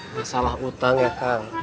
masalah utang ya kak